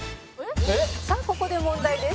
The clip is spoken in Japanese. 「さあここで問題です」